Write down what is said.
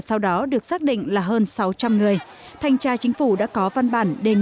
sau đó được xác định là hơn sáu trăm linh người thanh tra chính phủ đã có văn bản đề nghị